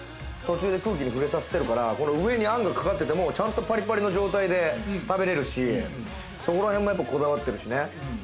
途中で空気に触れさせているから、上にあんがかかっていてもパリパリの状態で食べられるし、そこらへんもこだわってるしね。